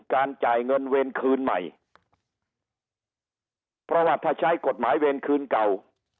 จ่ายเงินเวรคืนใหม่เพราะว่าถ้าใช้กฎหมายเวรคืนเก่า